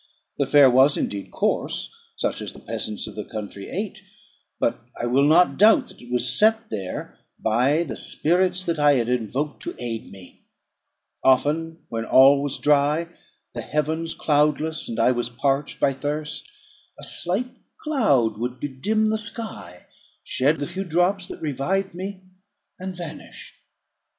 The fare was, indeed, coarse, such as the peasants of the country ate; but I will not doubt that it was set there by the spirits that I had invoked to aid me. Often, when all was dry, the heavens cloudless, and I was parched by thirst, a slight cloud would bedim the sky, shed the few drops that revived me, and vanish.